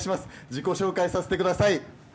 自己紹介させてください。